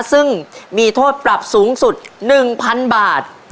ซึ่งมีโทษปรับสูงสุด๑๐๐๐บาท